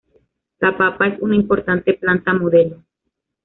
La papa es una importante planta modelo.